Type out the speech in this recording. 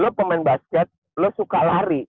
lu pemain basket lu suka lari